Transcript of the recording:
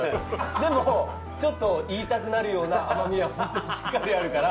でもちょっと言いたくなるような甘みはホントにしっかりあるから。